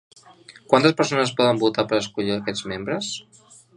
Quantes persones podien votar per escollir aquests membres?